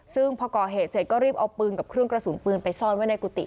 ซึ่งพอก่อเหตุเสร็จก็รีบเอาปืนกับเครื่องกระสุนปืนไปซ่อนไว้ในกุฏิ